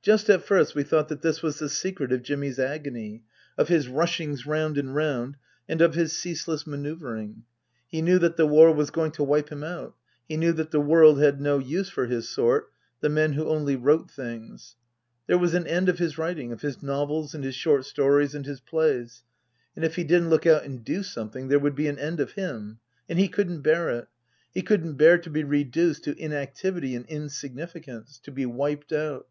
Just at first we thought that this was the secret of Jimmy's agony, of his rushings round and round, and of his ceaseless manoeuvring. He knew that the War was going to wipe him out ; he knew that the world had no use for his sort, the men who only wrote things. There was an end of his writing, of his novels and his short stories and his plays, and if he didn't look out and do something there would be an end of him. And he couldn't bear it. He couldn't bear to be reduced to inactivity and insignifi cance to be wiped out.